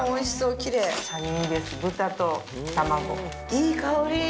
いい香り。